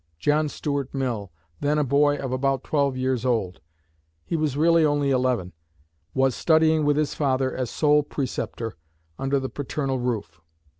"John Stuart Mill, then a boy of about twelve years old," he was really only eleven, "was studying, with his father as sole preceptor, under the paternal roof.